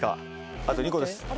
あと２個です。